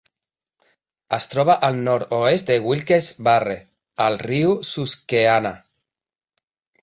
Es troba al nord-oest de Wilkes-Barre, al riu Susquehanna.